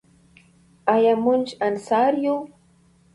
آیا موږ انصار یو؟